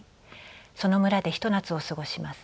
その村で一夏を過ごします。